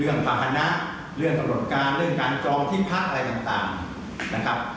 เรื่องภาษณะเรื่องประโยชน์การเรื่องการจองที่พักอะไรต่างต่างนะครับ